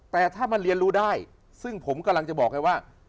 แต่ถ้ามันเรียนรู้ได้ซึ่งผมกำลังจะบอกไงว่า